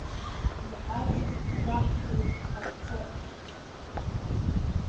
Иҳацу џьаҳшьауеит ҳахьцо!